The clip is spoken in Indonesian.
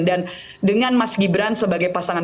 dan dengan mas gibran sebagai pasangan